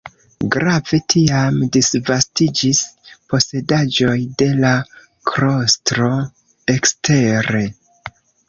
Grave tiam disvastiĝis posedaĵoj de la klostro ekstere.